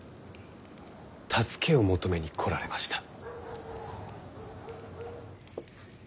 助けを求めに来られました。